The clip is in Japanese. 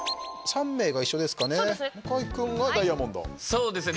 そうですね。